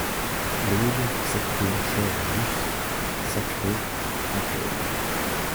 L’aube, cette blancheur juste, sacrée, intègre